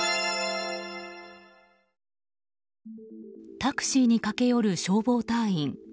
タクシーに駆け寄る消防隊員。